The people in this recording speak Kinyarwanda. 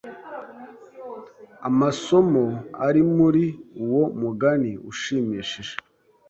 amasomo ari muri uwo mugani ushimishije